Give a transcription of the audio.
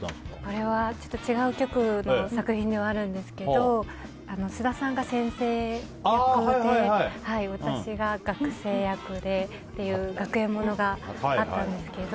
これは違う局の作品にはなるんですけど菅田さんが先生役で私が学生役でっていう学園ものがあったんですけど。